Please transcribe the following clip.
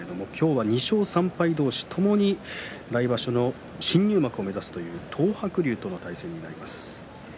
２勝３敗同士ともに来場所の新入幕を目指すという東白龍との対戦です。